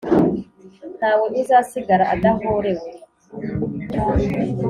nta we uzasigara adahorewe,